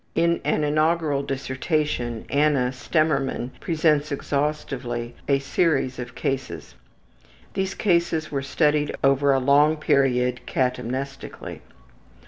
In an inaugural dissertation Anna Stemmermann presents exhaustively a series of cases. These cases were studied over a long period catamnestically.